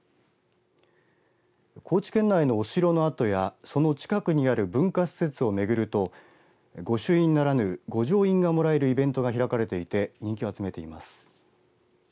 高知県内のお城の跡やその近くにある文化施設を巡ると御朱印ならぬ御城印がもらえるイベントが開かれていて人気を集めています。